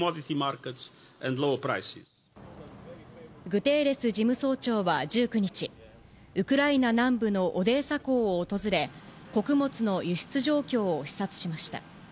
グテーレス事務総長は１９日、ウクライナ南部のオデーサ港を訪れ、穀物の輸出状況を視察しました。